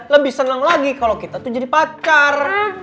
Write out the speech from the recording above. lebih senang lagi kalau kita tuh jadi pacar